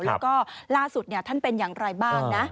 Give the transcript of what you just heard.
แล้วก็ล่าสุดท่านเป็นอย่างไรบ้างนะ